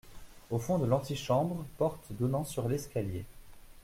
Au fond de l’antichambre, porte donnant sur l’escalier.